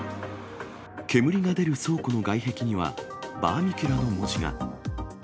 煙が出る倉庫の外壁には、バーミキュラの文字が。